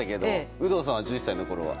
有働さんは１１歳のころは？